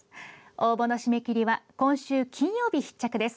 応募の締め切りは今週金曜日必着です。